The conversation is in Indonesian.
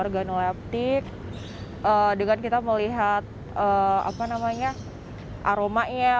kita melakukan organoleptik dengan kita melihat aromanya